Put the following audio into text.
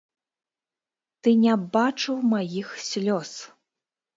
Ты не бачыў маіх слёз!